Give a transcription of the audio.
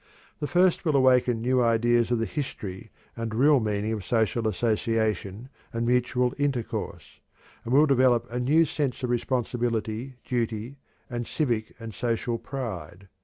The first will awaken new ideas of the history and real meaning of social association and mutual intercourse, and will develop a new sense of responsibility, duty, and civic and social pride.